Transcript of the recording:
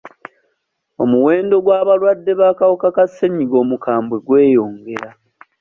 Omuwendo gw'abalwadde b'akawuka ka ssenyiga omukambwe gweyongera.